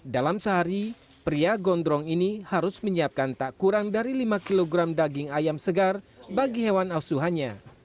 dalam sehari pria gondrong ini harus menyiapkan tak kurang dari lima kg daging ayam segar bagi hewan asuhannya